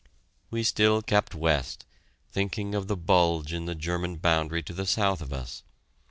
We still kept west, thinking of the bulge in the German boundary to the south of us.